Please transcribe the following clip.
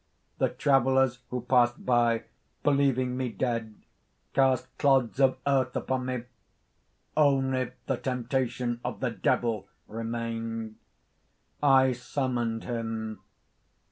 "The travellers who passed by, believing me dead, cast clods of earth upon me! "Only the temptation of the Devil remained! "I summoned him.